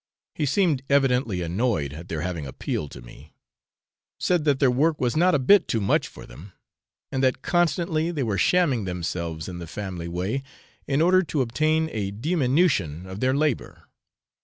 He seemed evidently annoyed at their having appealed to me; said that their work was not a bit too much for them, and that constantly they were shamming themselves in the family way, in order to obtain a diminution of their labour.